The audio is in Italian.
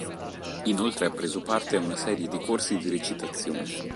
Inoltre ha preso parte a una serie di corsi di recitazione.